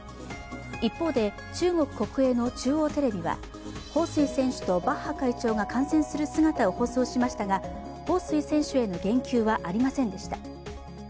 一方で、中国国営の中央テレビは彭帥選手とバッハ会長が観戦する姿を放送しましたが彭帥選手への言及はありませんでした。